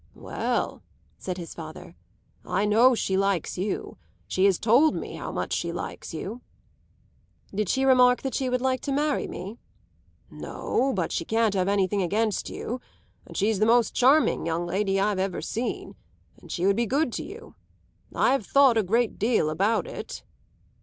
"Well," said his father, "I know she likes you. She has told me how much she likes you." "Did she remark that she would like to marry me?" "No, but she can't have anything against you. And she's the most charming young lady I've ever seen. And she would be good to you. I have thought a great deal about it."